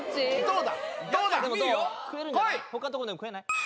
他のとこでも食えない？